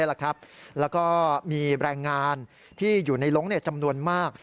แล้วก็มีแรงงานที่อยู่ในลงจำนวนมาก